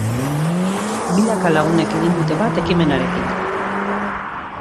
Milaka lagunek egin dute bat ekimenarekin.